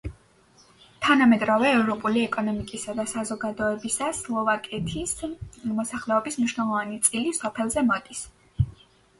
მიუხედავად მისი თანამედროვე ევროპული ეკონომიკისა და საზოგადოებისა, სლოვაკეთის მოსახლეობის მნიშვნელოვანი წილი სოფელზე მოდის.